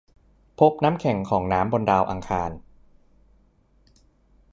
พบน้ำแข็งของน้ำบนดาวอังคาร